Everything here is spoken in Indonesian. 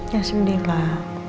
ya sendiri lah